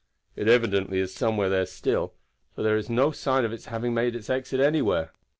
It evidently is somewhere there still, for there is no sign of its having made its exit anywhere.